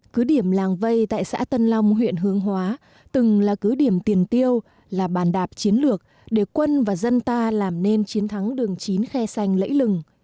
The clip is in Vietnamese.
cứ điểm làng vây tại xã tân long huyện hướng hóa từng là cứ điểm tiền tiêu là bàn đạp chiến lược để quân và dân ta làm nên chiến thắng đường chín khe xanh lẫy lừng